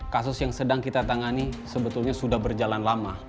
kasus yang sedang kita tangani sebetulnya sudah berjalan lama